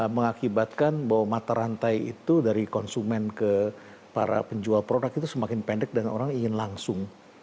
mengakibatkan bahwa mata rantai itu dari konsumen ke para penjual produk itu semakin pendek dan orang ingin langsung